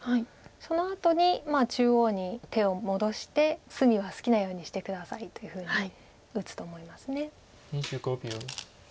そのあとに中央に手を戻して「隅は好きなようにして下さい」というふうに打つと思います。